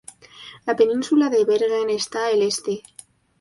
La península de Bergen está el este.